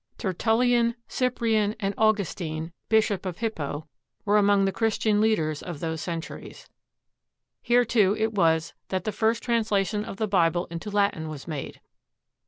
Tertullian, Cyprian, and Augustine, Bishop of Hippo, were among the Christian leaders of those centuries. Here, too, it was that the first translation of the Bible into Latin was made.